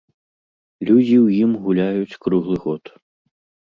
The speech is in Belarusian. Людзі ў ім гуляюць круглы год.